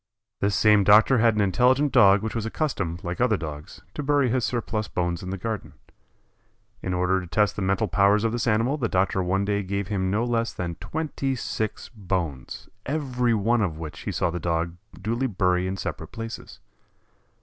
This same doctor had an intelligent Dog which was accustomed, like other Dogs, to bury his surplus bones in the garden. In order to test the mental powers of this animal the doctor one day gave him no less than twenty six bones, every one of which he saw the Dog duly bury in separate places.